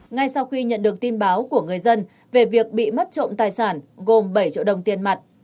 ngay sau khi nhận được tin báo của người dân về việc bị mất trộm tài sản gồm bảy triệu đồng tiền mặt